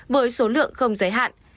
với số lượng không giới hạn